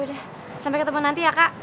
udah sampai ketemu nanti ya kak